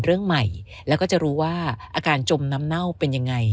เรื่องใหม่แล้วก็จะรู้ว่าอาการจมน้ำเน่าเป็นยังไง